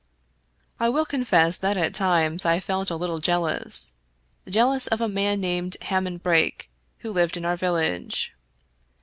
I will confess that at times I felt a little jealous — ^jealous of a man named Hammond Brake, who lived in our village.